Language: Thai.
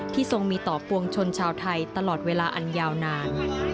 ทรงมีต่อปวงชนชาวไทยตลอดเวลาอันยาวนาน